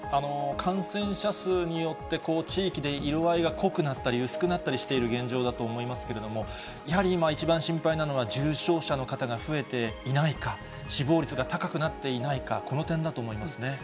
感染者数によって、地域で色合いが濃くなったり、薄くなったりしている現状だと思いますけれども、やはり今、一番心配なのは重症者の方が増えていないか、死亡率が高くなっていないか、この点だと思いますね。